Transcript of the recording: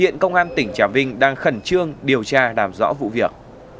hiện công an tỉnh trà vinh đang khẩn trương điều tra làm rõ vụ việc